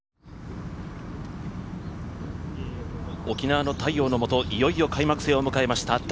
沖縄の太陽のもと、いよいよ開幕戦を迎えました。